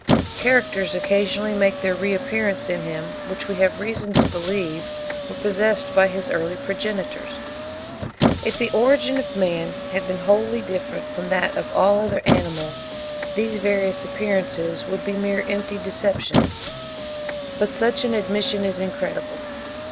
Characters occasionally make their re appearance in him, which we have reason to believe were possessed by his early progenitors. If the origin of man had been wholly different from that of all other animals, these various appearances would be mere empty deceptions; but such an admission is incredible.